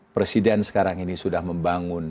presiden sekarang ini sudah membangun